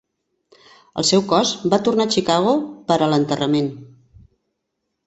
El seu cos va tornar a Chicago per a l"enterrament..